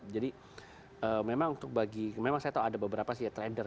jadi memang untuk bagi memang saya tahu ada beberapa sih ya trader